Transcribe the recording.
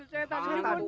ibu ia langsung takut